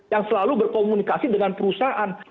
yang selalu berkomunikasi dengan perusahaan